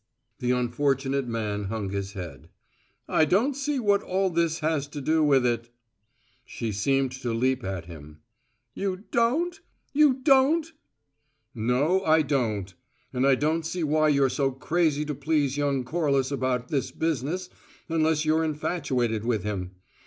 The unfortunate man hung his head. "I don't see what all that has to do with it " She seemed to leap at him. "You don't? You don't?" "No, I don't. And I don't see why you're so crazy to please young Corliss about this business unless you're infatuated with him.